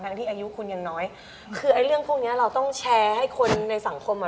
ที่อายุคุณยังน้อยคือไอ้เรื่องพวกเนี้ยเราต้องแชร์ให้คนในสังคมอ่ะ